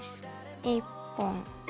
１本。